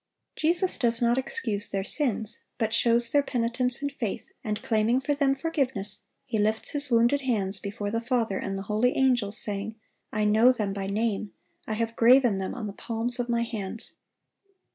Jesus does not excuse their sins, but shows their penitence and faith, and, claiming for them forgiveness, He lifts His wounded hands before the Father and the holy angels, saying, "I know them by name. I have graven them on the palms of My hands.